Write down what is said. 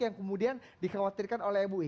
yang kemudian dikhawatirkan oleh mui